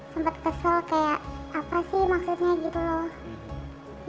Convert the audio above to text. sempat kesel kayak apa sih maksudnya gitu loh